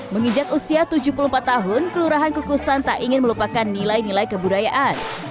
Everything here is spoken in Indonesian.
menginjak usia tujuh puluh empat tahun kelurahan kukusan tak ingin melupakan nilai nilai kebudayaan